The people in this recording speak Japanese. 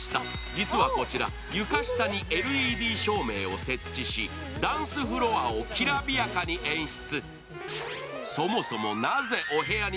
実はこちら、床下にＬＥＤ照明を設置しダンスフロアをきらびやかに演出。